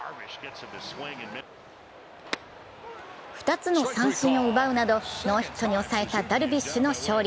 ２つの三振を奪うなど、ノーヒットに抑えたダルビッシュの勝利。